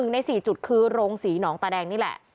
ใน๔จุดคือโรงศรีหนองตาแดงนี่แหละ